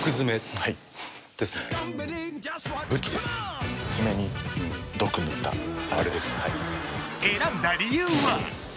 はい選んだ理由は？